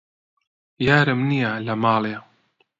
یارم نیە لە ماڵێ